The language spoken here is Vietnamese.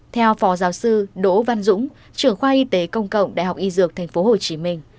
theo phó giáo sư đỗ văn dũng trưởng khoa y tế công cộng đại học y dược tp hcm